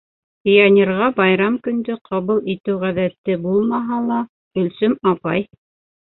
Пионерға байрам көндө ҡабул итеү ғәҙәте булмаһа ла, Гөлсөм апай: